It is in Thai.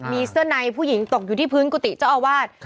มีเสื้อในผู้หญิงตกอยู่ที่พื้นกุฏิเจ้าอาวาส